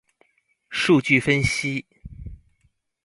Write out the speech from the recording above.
數據分析